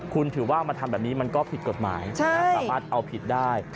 คุณถือว่ามาทำแบบนี้มันก็ผิดกฎหมายสามารถเอาผิดได้